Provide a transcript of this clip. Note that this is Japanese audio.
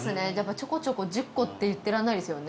ちょこちょこ、１０個って言ってられないですよね。